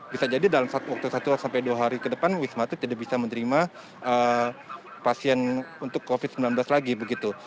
bisa jadi dalam waktu satu sampai dua hari ke depan wisma atlet tidak bisa menerima pasien untuk covid sembilan belas lagi begitu